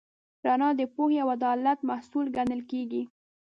رڼا د پوهې او عدالت محصول ګڼل کېږي.